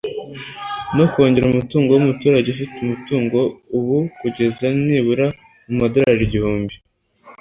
no kongera umutungo w'umuturage afite umutungo ubu kugeza nibura ku madorari igihumbi